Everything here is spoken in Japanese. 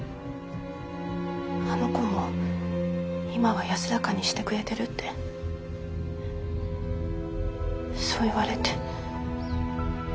あの子も今は安らかにしてくれてるってそう言われて。